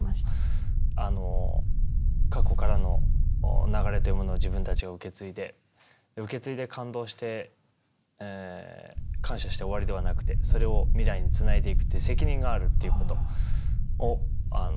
あの過去からの流れというものを自分たちが受け継いで受け継いで感動して感謝して終わりではなくてそれを未来につないでいくっていう責任があるっていうことを。